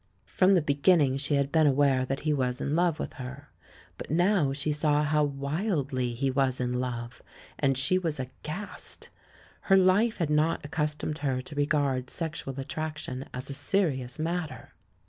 From the beginning she had been aware that he was in love with her; but now she saw how wildly he was in love, and she was aghast. Her life had not accustomed her to regard sexual at traction as a serious matter.